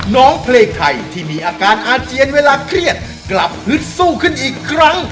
น้องเพลงไทยที่มีอาการอาเจียนเวลาเครียดกลับฮึดสู้ขึ้นอีกครั้ง